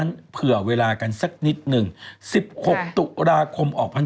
เลขอะไรเกี่ยวกับพญานาคก็๗กับ๙